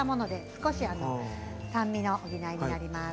ちょっと酸味の補いになります。